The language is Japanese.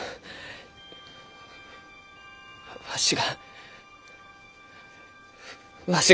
わしがわしが！